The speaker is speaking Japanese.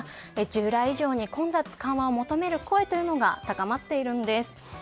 従来以上に混雑緩和を求める声が高まっているんです。